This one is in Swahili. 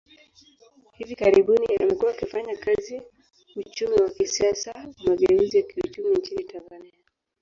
Hivi karibuni, amekuwa akifanya kazi uchumi wa kisiasa wa mageuzi ya kiuchumi nchini Tanzania.